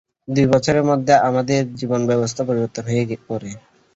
দুই বছরের মধ্যে, আমাদের জীবনব্যবস্থা পরিবর্তন হয়ে পড়ে।